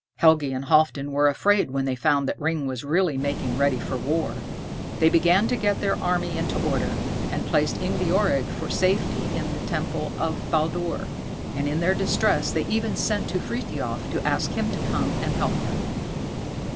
Helgi and Halfdan were afraid when they found that Ring was really making ready for war. They began to get their army into order, and placed Ingebjorg for safety in the temple of Baldur, and in their distress they even sent to Frithiof to ask him to come and help them.